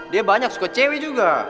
dia banyak suka cewek juga